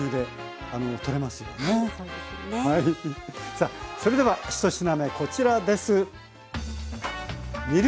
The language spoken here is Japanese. さあそれでは１品目こちらです。